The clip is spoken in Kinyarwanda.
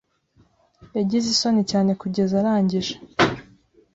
Yagize isoni cyane kugeza arangije.